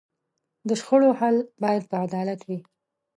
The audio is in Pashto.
د شخړو حل باید په عدالت وي.